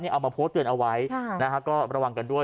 เนี่ยเอามาโพสเตือนเอาไว้ค่ะนะฮะก็ระวังกันด้วย